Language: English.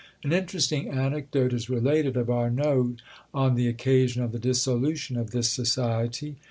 An interesting anecdote is related of Arnauld on the occasion of the dissolution of this society.